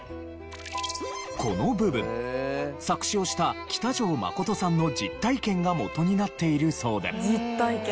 この部分作詞をした喜多條忠さんの実体験がもとになっているそうで。